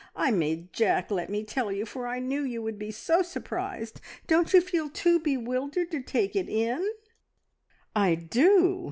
I made Jack let me tell you, for I knew you would be so surprised. Don't you feel too bewildered to take it in?" "I do!"